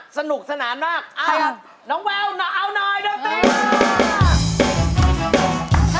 สนุกสนานมากอายน้องแววหนาวหน่อยเดี๋ยวอะ